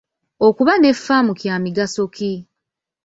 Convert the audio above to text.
Okuba ne ffaamu kya migaso ki?